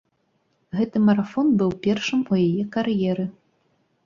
Гэты марафон быў першым у яе кар'еры.